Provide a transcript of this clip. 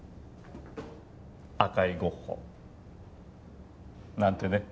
赤いゴッホなんてね